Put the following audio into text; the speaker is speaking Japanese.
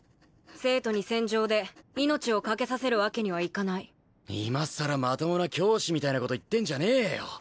生徒に戦場で命を懸けさせるわけにはいかない今さらまともな教師みたいなこと言ってんじゃねえよ